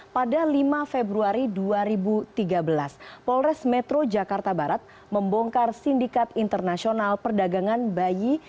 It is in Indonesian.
pada lima februari dua ribu tiga belas polres metro jakarta barat membongkar sindikat internasional perdagangan bayi